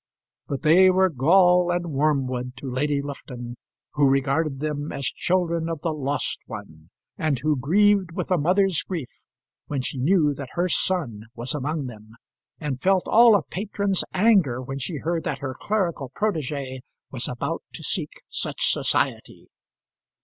But they were gall and wormwood to Lady Lufton, who regarded them as children of the Lost One, and who grieved with a mother's grief when she knew that her son was among them, and felt all a patron's anger when she heard that her clerical protégé was about to seek such society.